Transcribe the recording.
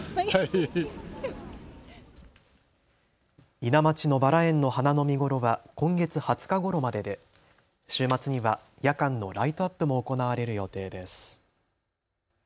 伊奈町のバラ園の花の見頃は今月２０日ごろまでで週末には夜間のライトアップも行われる予定です。